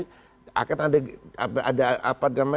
jadi memang ada perubahan apalagi kalau opung yang terpilih atau bali